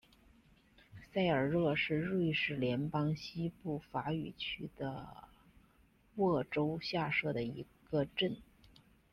塞尔热是瑞士联邦西部法语区的沃州下设的一个镇。